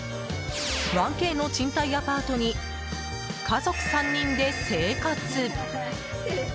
１Ｋの賃貸アパートに家族３人で生活。